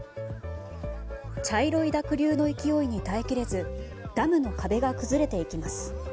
茶色い濁流の勢いに耐え切れずダムの壁が崩れていきます。